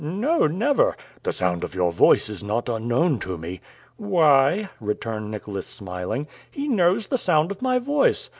No, never." "The sound of your voice is not unknown to me." "Why!" returned Nicholas, smiling, "he knows the sound of my voice!